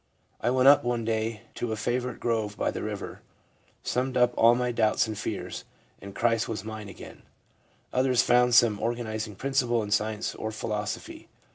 I went one day to a favourite grove by the river, summed up all my doubts and fears, and Christ was mine again/ Others found some organising principle in science or philosophy.